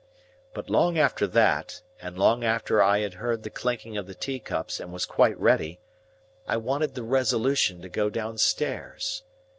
But long after that, and long after I had heard the clinking of the teacups and was quite ready, I wanted the resolution to go downstairs.